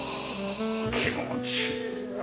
気持ちいいな。